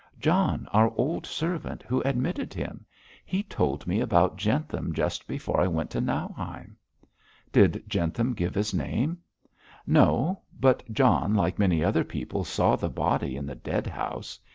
'John, our old servant, who admitted him. He told me about Jentham just before I went to Nauheim.' 'Did Jentham give his name?' 'No, but John, like many other people, saw the body in the dead house.